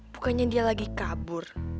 bukannya dia lagi kabur